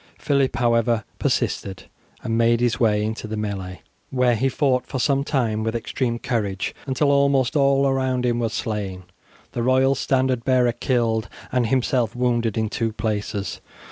Phillip, however, persisted, and made his way into the melee, where he fought for some time with extreme courage, until almost all around him were slain, the royal standard bearer killed, and himself wounded in two places.